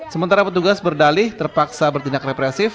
sementara petugas berdalih terpaksa bertindak represif